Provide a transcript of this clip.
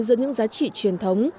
giữa những giá trị truyền thống